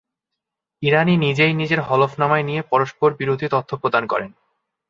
ইরানি নিজেই নিজের হলফনামায় নিয়ে পরস্পরবিরোধী তথ্য প্রদান করেন।